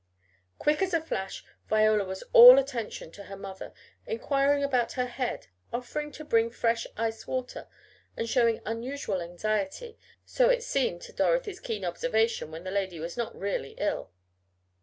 Quick as a flash Viola was all attention to her mother, inquiring about her head, offering to bring fresh ice water, and showing unusual anxiety, so it seemed to Dorothy's keen observation, when the lady was not really ill.